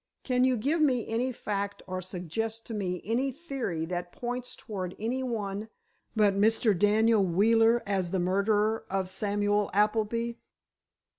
"Can you give me any fact or suggest to me any theory that points toward any one but Mr. Daniel Wheeler as the murderer of Samuel Appleby?"